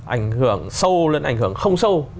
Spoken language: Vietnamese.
ảnh hưởng sâu lên ảnh hưởng không sâu